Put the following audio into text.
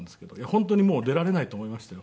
本当にもう出られないと思いましたよ。